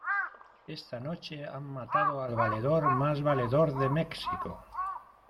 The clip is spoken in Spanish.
¡ esta noche han matado al valedor más valedor de México!